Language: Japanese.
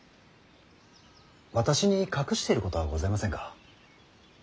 私に隠していることはございませんか。